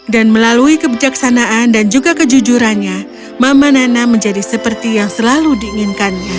dan melalui kebijaksanaan dan juga kejujurannya mama nana menjadi seperti yang selalu diinginkannya